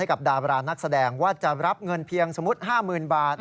กับดาบรานักแสดงว่าจะรับเงินเพียงสมมุติ๕๐๐๐บาท